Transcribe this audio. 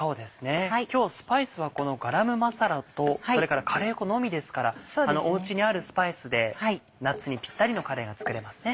今日スパイスはこのガラムマサラとそれからカレー粉のみですからおうちにあるスパイスで夏にピッタリのカレーが作れますね。